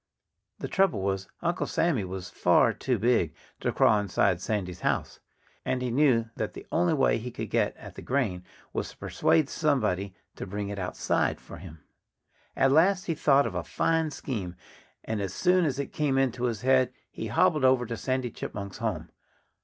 The trouble was, Uncle Sammy was far too big to crawl inside Sandy's house. And he knew that the only way he could get at the grain was to persuade somebody to bring it outside for him. At last he thought of a fine scheme. And as soon as it came into his head he hobbled over to Sandy Chipmunk's home.